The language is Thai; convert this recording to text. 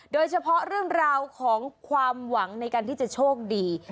โดยเฉพาะเรื่องราวของความหวังในการที่จะโชคดี